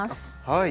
はい。